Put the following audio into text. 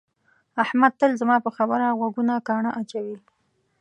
احمد تل زما پر خبره غوږونه ګاڼه اچوي.